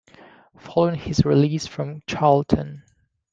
Following his release from Charlton.